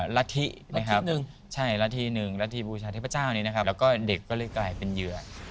ละทินะครับใช่ละทีหนึ่งละทีบูชาเทพเจ้านี้นะครับแล้วก็เด็กก็เลยกลายเป็นเหยื่อ